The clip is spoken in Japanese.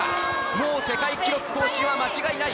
もう世界記録更新は間違いない。